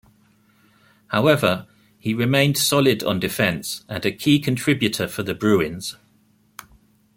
However, he remained solid on defense and a key contributor for the Bruins.